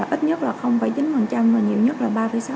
ít nhất là chín và nhiều nhất là ba sáu